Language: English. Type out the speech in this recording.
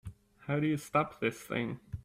How do you stop this thing?